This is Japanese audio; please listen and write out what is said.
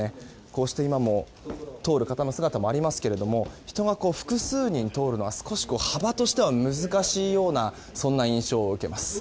こうして今も通る方の姿もありますけど人が複数人通るのは幅としては難しいようなそんな印象を受けます。